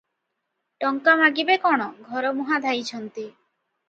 ଟଙ୍କା ମାଗିବେ କଣ, ଘରମୁହାଁ ଧାଇଁଛନ୍ତି ।